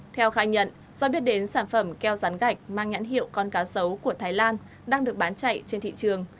theo khai nhận do biết đến sản phẩm keo rán gạch mang nhãn hiệu con cá sấu của thái lan đang được bán chạy trên thị trường